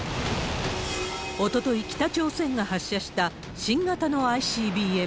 おととい、北朝鮮が発射した新型のＩＣＢＭ。